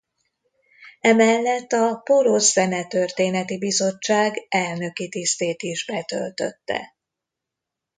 Emellett a Porosz Zenetörténeti Bizottság elnöki tisztét is betöltötte.